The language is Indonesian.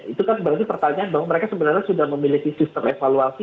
itu kan berarti pertanyaan bahwa mereka sebenarnya sudah memiliki sistem evaluasi